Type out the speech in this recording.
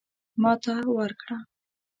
ماته ورکړه.